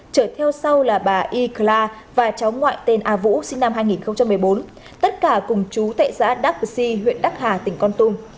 trở theo sau là bà y kla và cháu ngoại tên a vũ sinh năm hai nghìn một mươi bốn tất cả cùng chú tại xã đắk tô huyện đắk hà tỉnh con tung